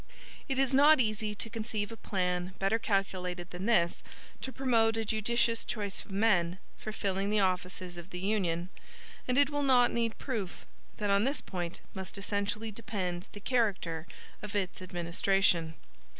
It is not easy to conceive a plan better calculated than this to promote a judicious choice of men for filling the offices of the Union; and it will not need proof, that on this point must essentially depend the character of its administration.